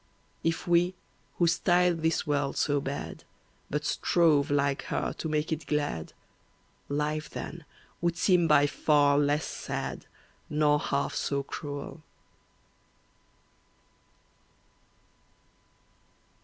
If we, who style this world so bad, But strove, like her, to make it glad, Life then would seem by far less sad, Nor half so cruel.